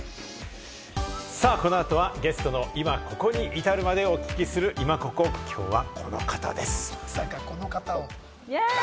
このあとはゲストのイマココに至るまでお聞きするイマココ、きょうはこの方です。